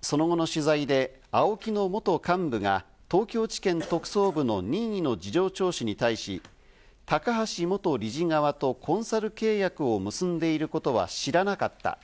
その後の取材でＡＯＫＩの元幹部が東京地検特捜部の任意の事情聴取に対し、高橋元理事側とコンサル契約を結んでいることは知らなかった。